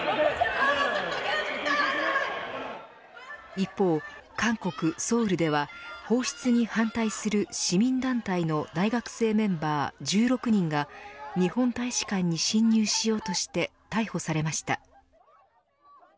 一方、韓国・ソウルでは放出に反対する市民団体の大学生メンバー１６人が日本大使館に侵入しようとして逮捕されました。